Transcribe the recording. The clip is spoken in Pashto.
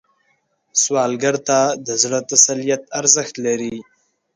سوالګر ته د زړه تسلیت ارزښت لري